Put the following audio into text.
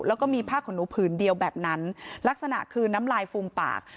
แล้วก็มีผ้าขนหนูผืนเดียวแบบนั้นลักษณะคือน้ำลายฟูมปาก